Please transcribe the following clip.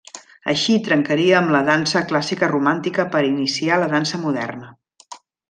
Així, trencaria amb la dansa clàssica romàntica per iniciar la dansa moderna.